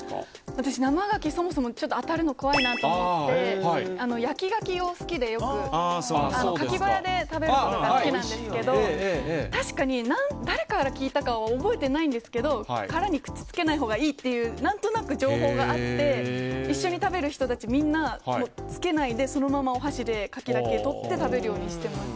私、生ガキ、そもそもちょっとあたるの怖いなと思って、焼きガキを好きで、よく、カキ小屋で食べることが好きなんですけど、確かに誰かから聞いたかは覚えてないんですけれども、殻に口つけないほうがいいっていう、なんとなく情報があって、一緒に食べる人たちみんな、つけないで、そのままお箸でカキだけ取って食べるようにしてます。